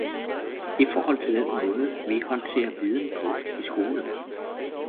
i forhold til den måde vi håndterer viden på i skolen.